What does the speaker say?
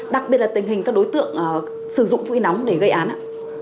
đặc biệt là tình hình các đối tượng sử dụng vũ khí nóng để gây án